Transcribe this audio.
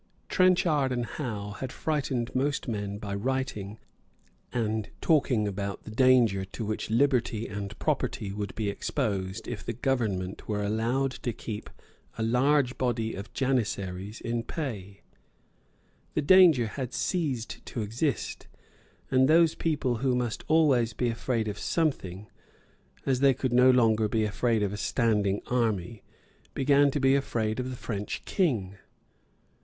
Trenchard and Howe had frightened most men by writing and talking about the danger to which liberty and property would be exposed if the government were allowed to keep a large body of Janissaries in pay. The danger had ceased to exist; and those people who must always be afraid of something, as they could no longer be afraid of a standing army, began to be afraid of the French King.